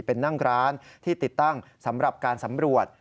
เป็นนั่งร้านที่ติดตั้งสำหรับการสำรวจ